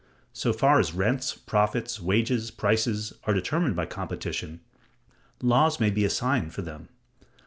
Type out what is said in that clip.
So far as rents, profits, wages, prices, are determined by competition, laws may be assigned for them.